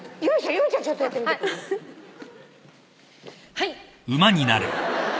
はい。